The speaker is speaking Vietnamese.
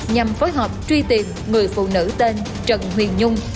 nhằm phối hợp truy tìm người phụ nữ tên trần huyền nhung